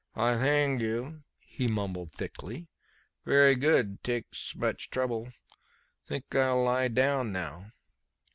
"I thangyou," he mumbled thickly. "Ver' good take s'much trouble. Think I will lie down now."